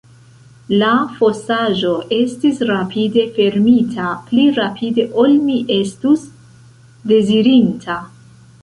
La fosaĵo estis rapide fermita, pli rapide ol mi estus dezirinta.